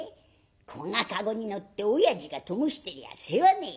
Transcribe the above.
こんな駕籠に乗って親父がともしてりゃ世話ねえや」。